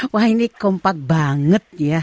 wah ini kompak banget ya